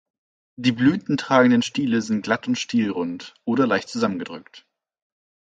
Die blütentragenden Stiele sind glatt und stielrund, oder leicht zusammengedrückt.